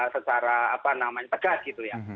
secara apa namanya tegas gitu ya